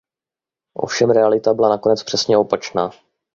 Ovšem realita byla nakonec přesně opačná.